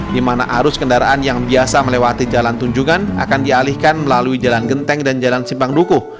di mana arus kendaraan yang biasa melewati jalan tunjungan akan dialihkan melalui jalan genteng dan jalan simpang dukuh